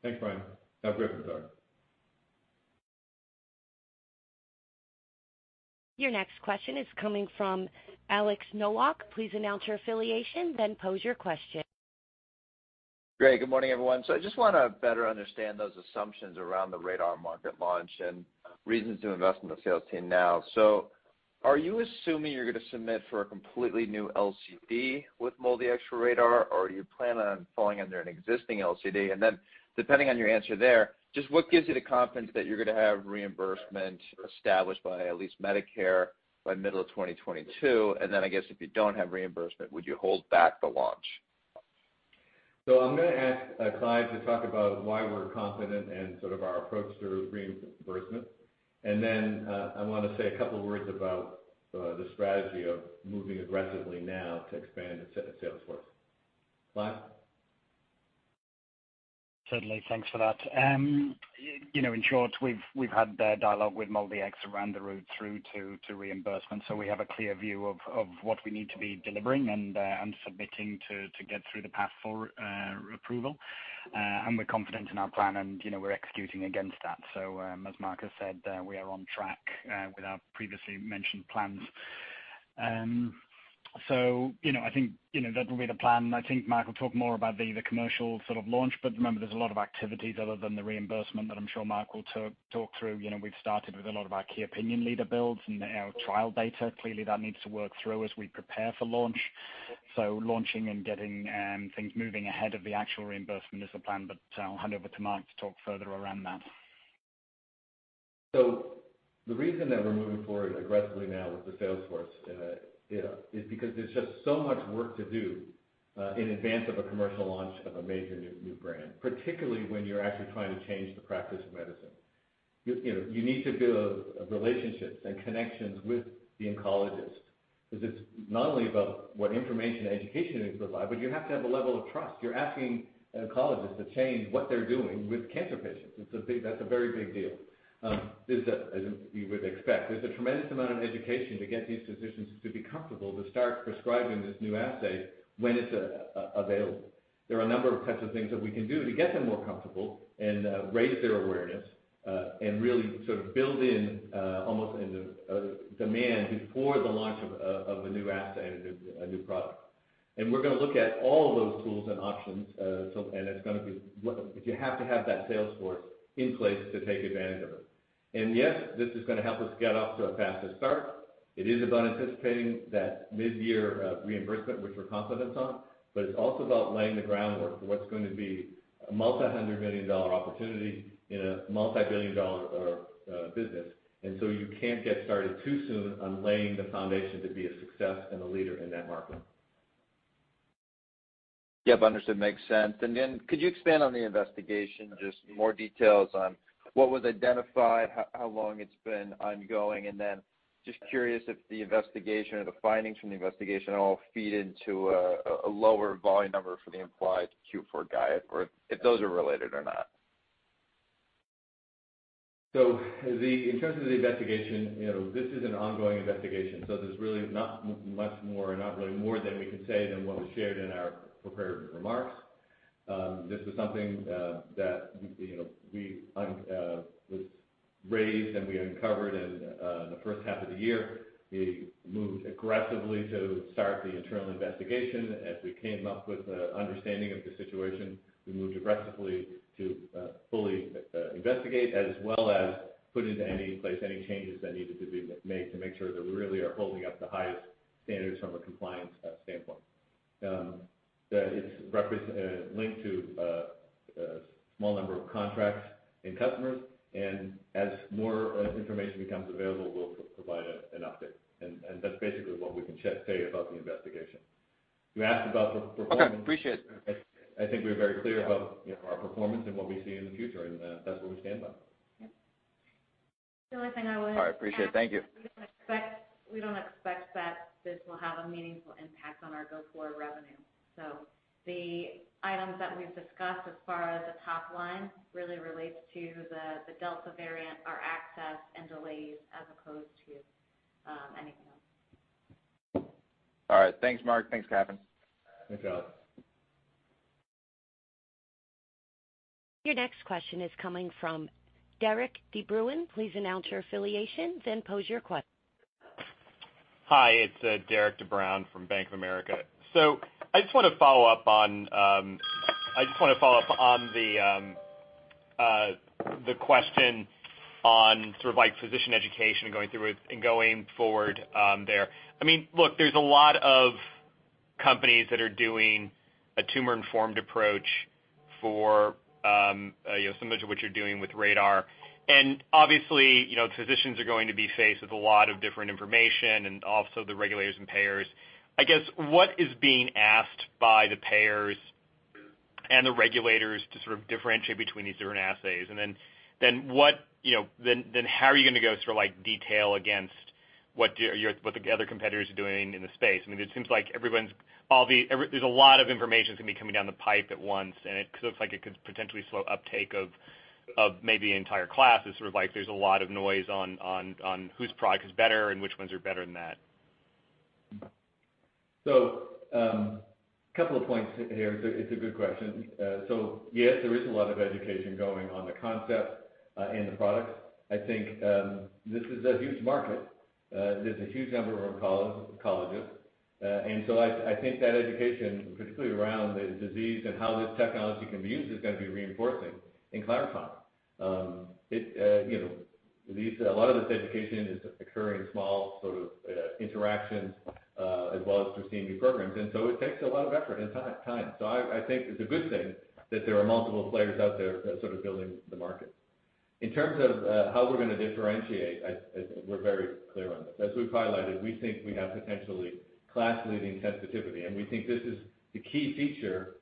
Thanks, Brian. Now Griffin, go ahead. Your next question is coming from Alex Nowak. Please announce your affiliation, then pose your question. Great. Good morning, everyone. I just wanna better understand those assumptions around the RaDaR market launch and reasons to invest in the sales team now. Are you assuming you're gonna submit for a completely new LCD with MolDX for RaDaR, or do you plan on falling under an existing LCD? Then depending on your answer there, just what gives you the confidence that you're gonna have reimbursement established by at least Medicare by middle of 2022? I guess if you don't have reimbursement, would you hold back the launch? I'm gonna ask Clive to talk about why we're confident and sort of our approach to reimbursement. I wanna say a couple words about the strategy of moving aggressively now to expand the sales force. Clive? Certainly. Thanks for that. You know, in short, we've had the dialogue with MolDX around the route through to reimbursement. We have a clear view of what we need to be delivering and submitting to get through the path for approval. We're confident in our plan, and you know, we're executing against that. As Mike has said, we are on track with our previously mentioned plans. You know, I think, you know, that'll be the plan. I think Mike will talk more about the commercial sort of launch, but remember there's a lot of activities other than the reimbursement that I'm sure Mike will talk through. You know, we've started with a lot of our key opinion leader builds and our trial data. Clearly, that needs to work through as we prepare for launch. Launching and getting things moving ahead of the actual reimbursement is the plan, but I'll hand over to Mike to talk further around that. The reason that we're moving forward aggressively now with the sales force is because there's just so much work to do in advance of a commercial launch of a major new brand, particularly when you're actually trying to change the practice of medicine. You know, you need to build relationships and connections with the oncologist because it's not only about what information and education is provided, but you have to have a level of trust. You're asking an oncologist to change what they're doing with cancer patients. It's a big, that's a very big deal. As you would expect, there's a tremendous amount of education to get these physicians to be comfortable to start prescribing this new assay when it's available. There are a number of types of things that we can do to get them more comfortable and raise their awareness and really sort of build in almost a demand before the launch of a new assay and a new product. We're gonna look at all of those tools and options. It's gonna be. You have to have that sales force in place to take advantage of it. Yes, this is gonna help us get off to a faster start. It is about anticipating that mid-year reimbursement, which we're confident on, but it's also about laying the groundwork for what's going to be a multi-hundred-million-dollar opportunity in a multi-billion-dollar business. You can't get started too soon on laying the foundation to be a success and a leader in that market. Yep. Understood. Makes sense. Could you expand on the investigation, just more details on what was identified, how long it's been ongoing? Just curious if the investigation or the findings from the investigation all feed into a lower volume number for the implied Q4 guide or if those are related or not. In terms of the investigation, you know, this is an ongoing investigation, so there's really not much more, not really more that we can say than what was shared in our prepared remarks. This is something that, you know, was raised and we uncovered in the first half of the year. We moved aggressively to start the internal investigation. As we came up with a understanding of the situation, we moved aggressively to fully investigate as well as put in place any changes that needed to be made to make sure that we really are holding up the highest standards from a compliance standpoint. It's linked to a small number of contracts and customers, and as more information becomes available, we'll provide an update. That's basically what we can say about the investigation. You asked about the performance- Okay, appreciate it. I think we're very clear about, you know, our performance and what we see in the future, and that's what we stand by. The only thing I would add. All right. Appreciate it. Thank you. We don't expect that this will have a meaningful impact on our go-forward revenue. The items that we've discussed as far as the top line really relates to the Delta variant, our access and delays as opposed to anything else. All right. Thanks, Mark. Thanks, Kathryn. Thanks, guys. Your next question is coming from Derik De Bruin. Please announce your affiliations, then pose your question. Hi, it's Derik De Bruin from Bank of America. I just wanna follow up on the question on sort of like physician education and going through it and going forward there. I mean, look, there's a lot of companies that are doing a tumor-informed approach for, you know, similar to what you're doing with RaDaR. And obviously, you know, physicians are going to be faced with a lot of different information and also the regulators and payers. I guess, what is being asked by the payers and the regulators to sort of differentiate between these different assays? And then what, you know, then how are you gonna go sort of like differentiate against what the other competitors are doing in the space? I mean, it seems like everyone's. There's a lot of information that's gonna be coming down the pipe at once, and it looks like it could potentially slow uptake of maybe entire classes, sort of like there's a lot of noise on whose product is better and which ones are better than that. Couple of points here. It's a good question. Yes, there is a lot of education going on, the concept, and the products. I think this is a huge market. There's a huge number of oncologists. I think that education, particularly around the disease and how this technology can be used, is gonna be reinforcing and clarifying. It you know these. A lot of this education is occurring in small sort of interactions as well as through CME programs. It takes a lot of effort and time. I think it's a good thing that there are multiple players out there sort of building the market. In terms of how we're gonna differentiate, we're very clear on this. As we've highlighted, we think we have potentially class-leading sensitivity, and we think this is the key feature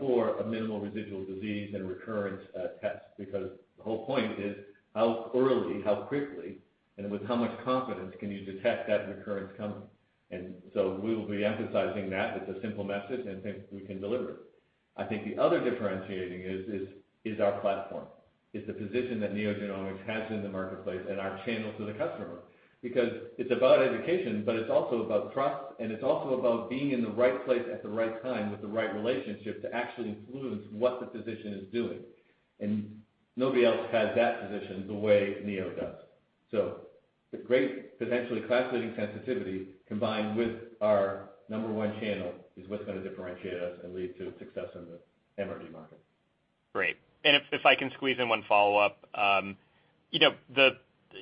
for a minimal residual disease and recurrence test. Because the whole point is how early, how quickly, and with how much confidence can you detect that recurrence coming. We will be emphasizing that with a simple message, and think we can deliver it. I think the other differentiating is our platform. It's the position that NeoGenomics has in the marketplace and our channel to the customer. Because it's about education, but it's also about trust, and it's also about being in the right place at the right time with the right relationship to actually influence what the physician is doing. Nobody else has that position the way Neo does. The great potentially class-leading sensitivity combined with our number one channel is what's gonna differentiate us and lead to success in the MRD market. Great. If I can squeeze in one follow-up. You know,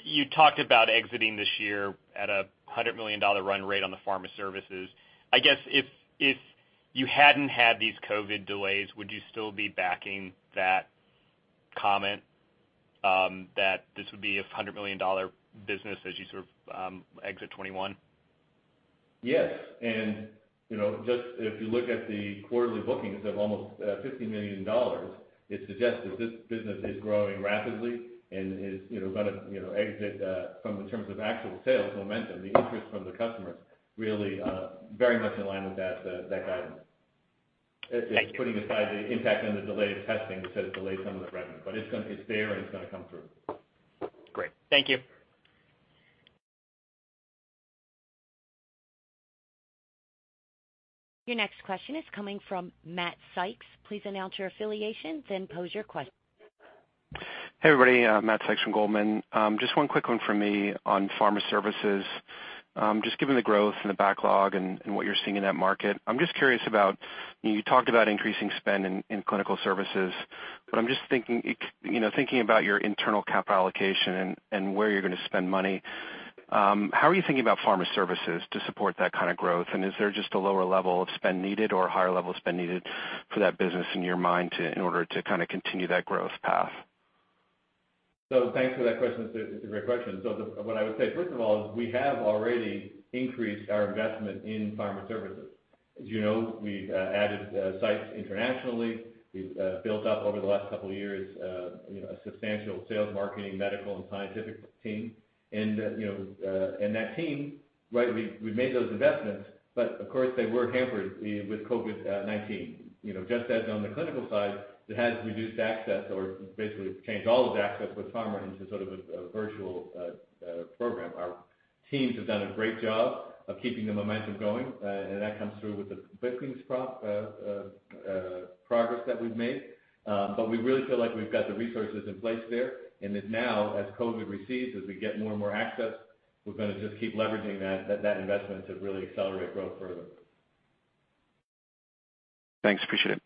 you talked about exiting this year at a $100 million run rate on the Pharma Services. I guess if you hadn't had these COVID delays, would you still be backing that comment, that this would be a $100 million business as you sort of exit 2021? Yes. You know, just if you look at the quarterly bookings of almost $50 million, it suggests that this business is growing rapidly and is, you know, gonna, you know, exceed in terms of actual sales momentum, the interest from the customers really very much in line with that guidance. Great. Putting aside the impact on the delayed testing, which does delay some of the revenue, but it's gonna come through. It's there and it's gonna come through. Great. Thank you. Your next question is coming from Matt Sykes. Please announce your affiliation, then pose your question. Hey, everybody, Matt Sykes from Goldman. Just one quick one from me on Pharma Services. Just given the growth and the backlog and what you're seeing in that market, I'm just curious about, you talked about increasing spend in clinical services, but I'm just thinking, you know, thinking about your internal capital allocation and where you're gonna spend money, how are you thinking about Pharma Services to support that kind of growth? And is there just a lower level of spend needed or a higher level of spend needed for that business in your mind to, in order to kinda continue that growth path? Thanks for that question. It's a great question. What I would say, first of all, is we have already increased our investment in Pharma Services. As you know, we've added sites internationally. We've built up over the last couple of years, you know, a substantial sales, marketing, medical, and scientific team. You know, and that team, right, we made those investments, but of course, they were hampered with COVID-19. You know, just as on the clinical side, it has reduced access or basically changed all of the access with pharma into sort of a virtual program. Our teams have done a great job of keeping the momentum going, and that comes through with the bookings progress that we've made. We really feel like we've got the resources in place there, and that now, as COVID recedes, as we get more and more access, we're gonna just keep leveraging that investment to really accelerate growth further. Thanks. Appreciate it.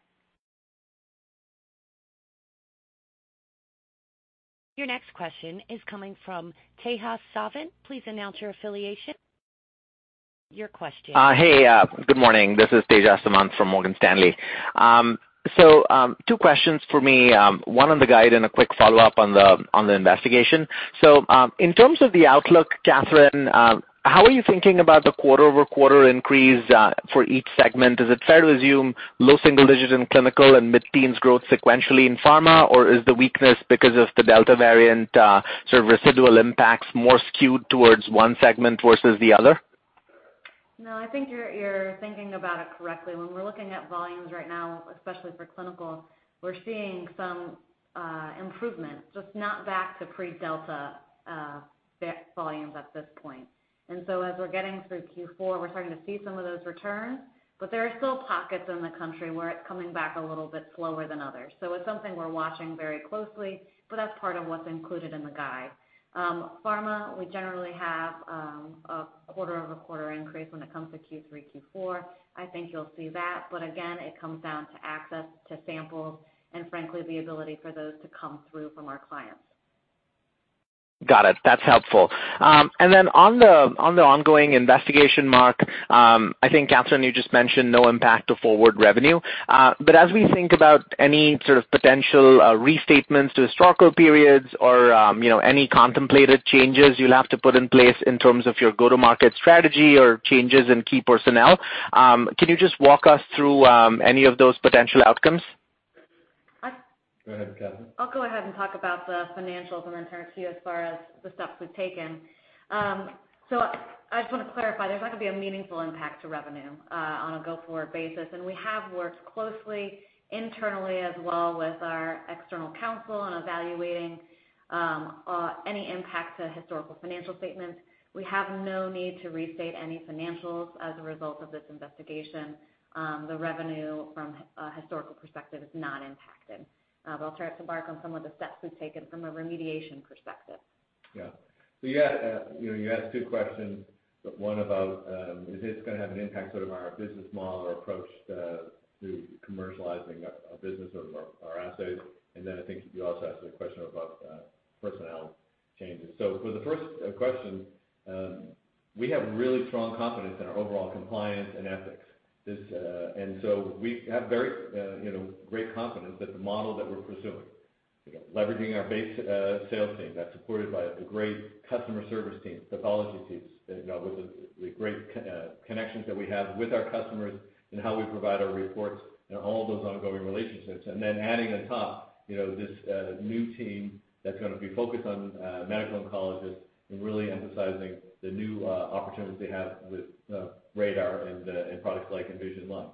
Your next question is coming from Tejas Savant. Please announce your affiliation. Your question. Hey, good morning. This is Tejas Savant from Morgan Stanley. Two questions for me, one on the guide and a quick follow-up on the investigation. In terms of the outlook, Kathryn, how are you thinking about the quarter-over-quarter increase for each segment? Is it fair to assume low single digits in clinical and mid-teens growth sequentially in pharma, or is the weakness because of the Delta variant sort of residual impacts more skewed towards one segment versus the other? No, I think you're thinking about it correctly. When we're looking at volumes right now, especially for clinical, we're seeing some improvements, just not back to pre-Delta volumes at this point. We're getting through Q4, we're starting to see some of those return, but there are still pockets in the country where it's coming back a little bit slower than others. It's something we're watching very closely, but that's part of what's included in the guide. Pharma, we generally have a quarter-over-quarter increase when it comes to Q3, Q4. I think you'll see that. Again, it comes down to access to samples and frankly, the ability for those to come through from our clients. Got it. That's helpful. On the ongoing investigation, Mark, I think, Kathryn, you just mentioned no impact to go-forward revenue. As we think about any sort of potential restatements to historical periods or, you know, any contemplated changes you'll have to put in place in terms of your go-to-market strategy or changes in key personnel, can you just walk us through any of those potential outcomes? I- Go ahead, Kathryn. I'll go ahead and talk about the financials and then turn to you as far as the steps we've taken. I just wanna clarify, there's not gonna be a meaningful impact to revenue, on a go-forward basis. We have worked closely internally as well with our external counsel in evaluating, any impact to historical financial statements. We have no need to restate any financials as a result of this investigation. The revenue from a historical perspective is not impacted. I'll turn it to Mark on some of the steps we've taken from a remediation perspective. Yeah. You had, you know, you asked two questions, but one about is this gonna have an impact sort of on our business model or approach to commercializing our business or our assays. I think you also asked a question about personnel changes. For the first question, we have really strong confidence in our overall compliance and ethics. We have very, you know, great confidence that the model that we're pursuing, you know, leveraging our base sales team that's supported by a great customer service team, pathology teams, you know, with the great connections that we have with our customers and how we provide our reports and all those ongoing relationships. Adding atop, you know, this new team that's gonna be focused on medical oncologists and really emphasizing the new opportunities they have with RaDaR and products like InVisionFirst-Lung.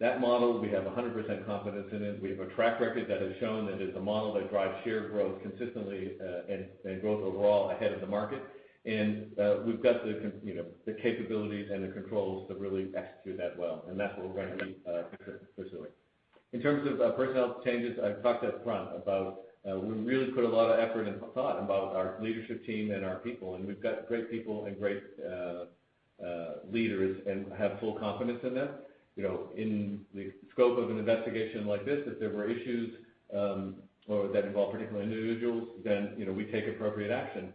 That model, we have 100% confidence in it. We have a track record that has shown that it's a model that drives share growth consistently, and growth overall ahead of the market. We've got you know, the capabilities and the controls to really execute that well, and that's what we're going to be pursuing. In terms of personnel changes, I talked up front about we really put a lot of effort and thought about our leadership team and our people, and we've got great people and great leaders and have full confidence in them. You know, in the scope of an investigation like this, if there were issues, or that involve particular individuals, then, you know, we take appropriate action,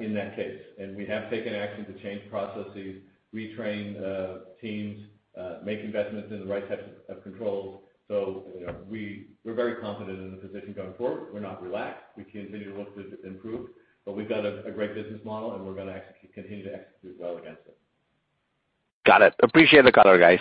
in that case. We have taken action to change processes, retrain, teams, make investments in the right types of controls. You know, we're very confident in the position going forward. We're not relaxed. We continue to look to improve, but we've got a great business model, and we're gonna continue to execute well against it. Got it. Appreciate the color, guys.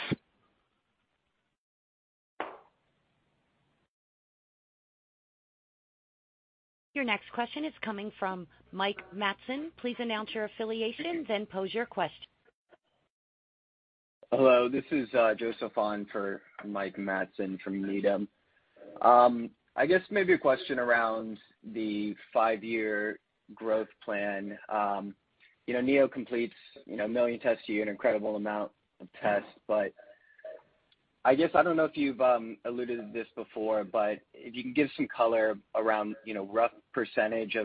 Your next question is coming from Mike Matson. Please announce your affiliation then pose your question. Hello, this is Joseph Ohn for Mike Matson from Needham. I guess maybe a question around the five-year growth plan. You know, Neo completes 1 million tests a year, an incredible amount of tests. But I guess I don't know if you've alluded to this before, but if you can give some color around, you know, rough percentage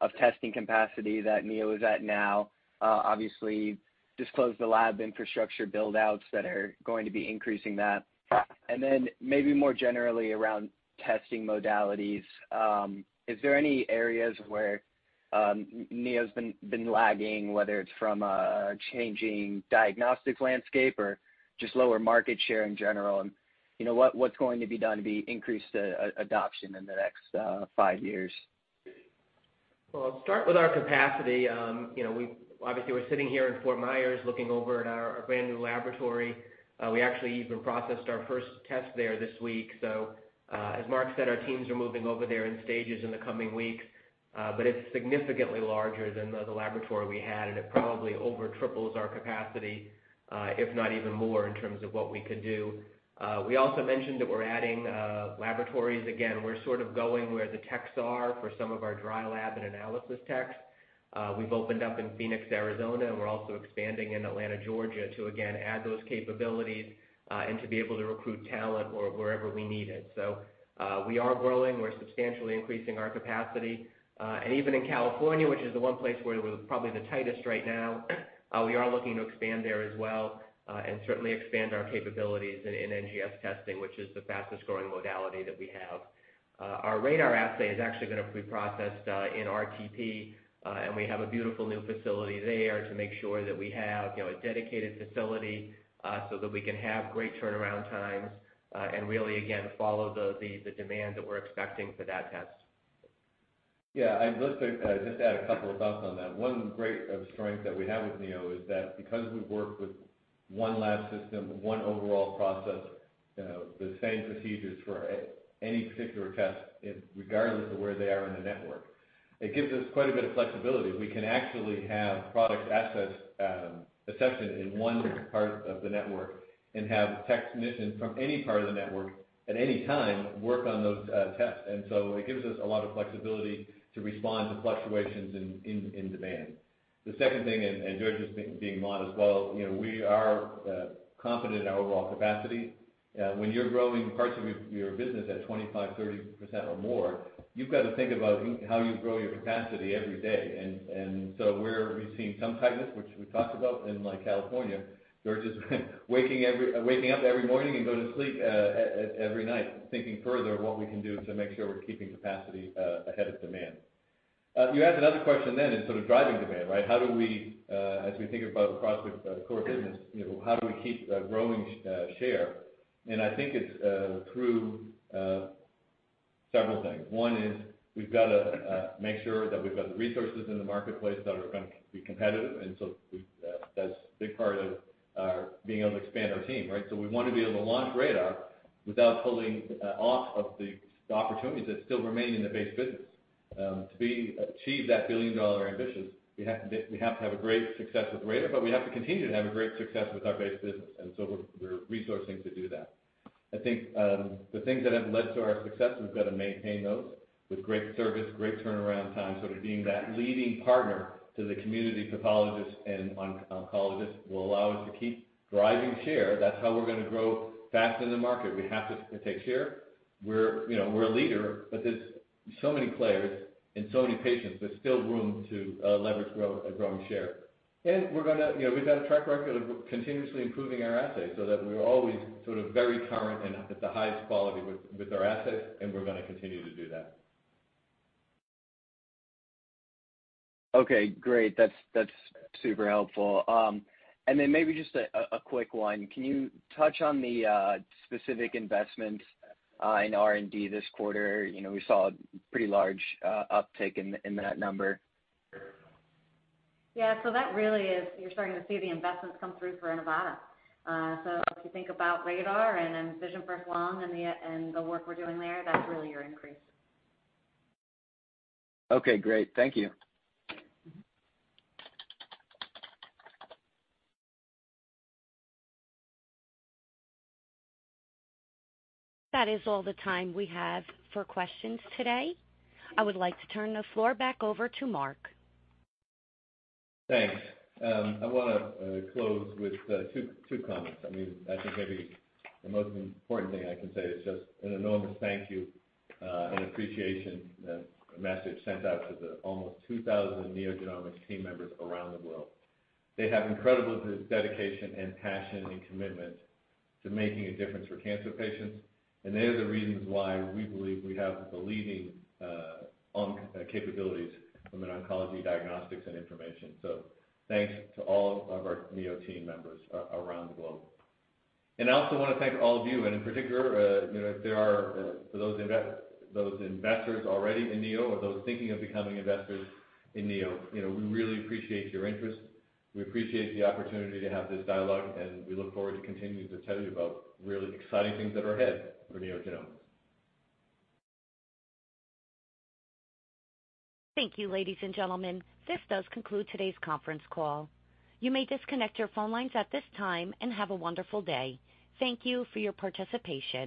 of testing capacity that Neo is at now. Obviously discussed the lab infrastructure build-outs that are going to be increasing that. Then maybe more generally around testing modalities, is there any areas where Neo's been lagging, whether it's from a changing diagnostics landscape or just lower market share in general? You know, what's going to be done to increase the adoption in the next five years? Well, I'll start with our capacity. You know, we obviously are sitting here in Fort Myers looking over at our brand-new laboratory. We actually even processed our first test there this week. As Mark said, our teams are moving over there in stages in the coming weeks. It's significantly larger than the laboratory we had, and it probably over triples our capacity, if not even more in terms of what we could do. We also mentioned that we're adding laboratories. Again, we're sort of going where the techs are for some of our dry lab and analysis techs. We've opened up in Phoenix, Arizona, and we're also expanding in Atlanta, Georgia, to again add those capabilities, and to be able to recruit talent wherever we need it. We are growing. We're substantially increasing our capacity. Even in California, which is the one place where we're probably the tightest right now, we are looking to expand there as well, and certainly expand our capabilities in NGS testing, which is the fastest-growing modality that we have. Our RaDaR assay is actually gonna be processed in RTP, and we have a beautiful new facility there to make sure that we have, you know, a dedicated facility, so that we can have great turnaround times, and really, again, follow the demand that we're expecting for that test. Yeah. I'd love to just add a couple of thoughts on that. One great strength that we have with Neo is that because we've worked with one lab system, one overall process, you know, the same procedures for any particular test regardless of where they are in the network. It gives us quite a bit of flexibility. We can actually have product assets accepted in one part of the network and have technicians from any part of the network at any time work on those tests. It gives us a lot of flexibility to respond to fluctuations in demand. The second thing, George is being modest as well, you know, we are confident in our overall capacity. When you're growing parts of your business at 25, 30% or more, you've got to think about how you grow your capacity every day. We've seen some tightness, which we talked about in, like, California. George is waking up every morning and going to sleep every night thinking further of what we can do to make sure we're keeping capacity ahead of demand. You asked another question then in sort of driving demand, right? How do we, as we think about across the core business, you know, how do we keep growing share? I think it's through several things. One is we've gotta make sure that we've got the resources in the marketplace that are gonna be competitive, and so that's a big part of being able to expand our team, right? We want to be able to launch RaDaR without pulling off of the opportunities that still remain in the base business. To achieve that billion-dollar ambition, we have to have a great success with RaDaR, but we have to continue to have a great success with our base business, and so we're resourcing to do that. I think the things that have led to our success, we've got to maintain those with great service, great turnaround time, sort of being that leading partner to the community pathologists and oncologists will allow us to keep driving share. That's how we're gonna grow faster than the market. We have to take share. We're, you know, a leader, but there's so many players and so many patients, there's still room to leverage growth, growing share. We're gonna, you know, we've got a track record of continuously improving our assays so that we're always sort of very current and at the highest quality with our assays, and we're gonna continue to do that. Okay, great. That's super helpful. Maybe just a quick one. Can you touch on the specific investment in R&D this quarter? You know, we saw a pretty large uptake in that number. Yeah, that really is you're starting to see the investments come through for Inivata. If you think about RaDaR and then InVisionFirst-Lung and the work we're doing there, that's really your increase. Okay, great. Thank you. Mm-hmm. That is all the time we have for questions today. I would like to turn the floor back over to Mark. Thanks. I wanna close with two comments. I mean, I think maybe the most important thing I can say is just an enormous thank you and appreciation message sent out to the almost 2,000 NeoGenomics team members around the world. They have incredible dedication and passion and commitment to making a difference for cancer patients, and they are the reasons why we believe we have the leading capabilities in oncology diagnostics and information. Thanks to all of our Neo team members around the globe. I also wanna thank all of you and in particular, you know, for those investors already in Neo or those thinking of becoming investors in Neo, you know, we really appreciate your interest. We appreciate the opportunity to have this dialogue, and we look forward to continuing to tell you about really exciting things that are ahead for NeoGenomics. Thank you, ladies and gentlemen. This does conclude today's conference call. You may disconnect your phone lines at this time and have a wonderful day. Thank you for your participation.